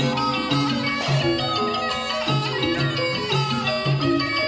โอเคครับ